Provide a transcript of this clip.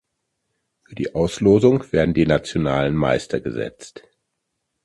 Für die Auslosung werden die nationalen Meister gesetzt.